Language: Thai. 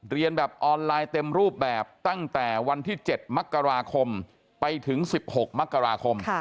เรียนแบบออนไลน์เต็มรูปแบบตั้งแต่วันที่๗มกราคมไปถึง๑๖มกราคม